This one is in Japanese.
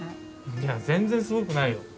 いや全然すごくないよ。